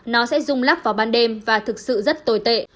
nó sẽ rung lắc vào ban đêm và thực sự rất tồi tệ